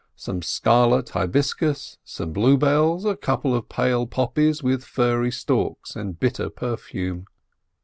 Some scarlet hibiscus, some bluebells, a couple of pale poppies with furry stalks and bitter perfume.